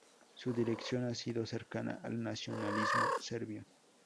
Su dirección ha sido cercana al nacionalismo serbio.